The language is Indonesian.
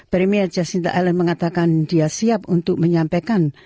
premier jacinda allen mengatakan dia siap untuk menyampaikan